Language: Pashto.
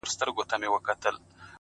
• نو بیا ولي ګیله من یې له اسمانه ,